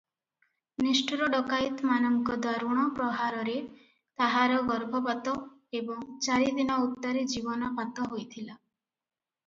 ନିଷ୍ଠୁର ଡକାଏତମାନଙ୍କ ଦାରୁଣ ପ୍ରହାରରେ ତାହାର ଗର୍ଭପାତ ଏବଂ ଚାରିଦିନ ଉତ୍ତାରେ ଜୀବନପାତ ହୋଇଥିଲା ।